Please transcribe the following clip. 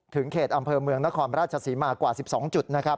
ถึงเขตอำเภอเมืองนครราชศรีมากกว่า๑๒จุด